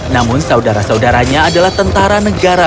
namun saudara saudaranya adalah tentara negara